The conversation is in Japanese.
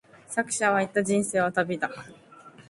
作者は言った、人生は旅だ。